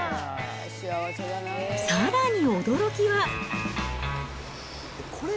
さらに驚きは。